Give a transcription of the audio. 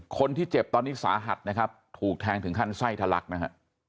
คนที่เจ็บตอนนี้สาหัสนะครับถูกแทงถึงขั้นไส้ทะลักนะฮะ